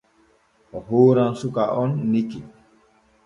O hooran suka on Niki.